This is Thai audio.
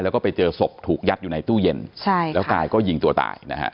แล้วก็ไปเจอศพถูกยัดอยู่ในตู้เย็นใช่แล้วกายก็ยิงตัวตายนะฮะ